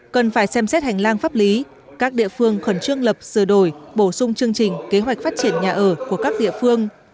cần phải xem xét hành lang pháp lý các địa phương khẩn trương lập sửa đổi bổ sung chương trình kế hoạch phát triển nhà ở của các địa phương